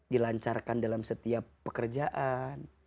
dilancarkan dalam setiap pekerjaan